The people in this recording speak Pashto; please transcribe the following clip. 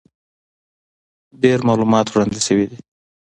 ډېر معلومات وړاندې شوي دي،